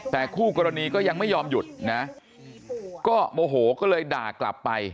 แต่คู่กรณีก็ยังไม่ยอมหยุดนะก็โมโหก็เลยด่ากลับไป